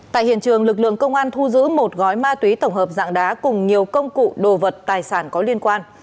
tại hiện trường lực lượng công an thu giữ một gói ma túy tổng hợp dạng đá cùng nhiều công cụ đồ vật tài sản có liên quan